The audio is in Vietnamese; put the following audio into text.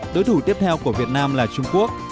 đối thủ tiếp theo của việt nam là trung quốc